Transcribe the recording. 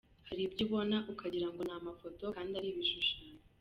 Hari ibyo ubona ukagira ngo ni amafoto kandi ari ibishushanyo.